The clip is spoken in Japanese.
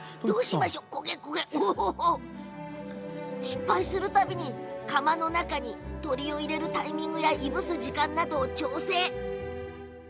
失敗するたびに釜の中に鶏を入れるタイミングやいぶす時間などを調整。